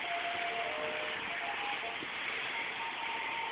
আমাদের কেউ এই অবধি পৌঁছুতাম না, একে অপরের সাহায্য ছাড়া।